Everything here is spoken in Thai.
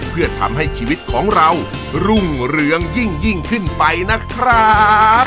เพื่อทำให้ชีวิตของเรารุ่งเรืองยิ่งขึ้นไปนะครับ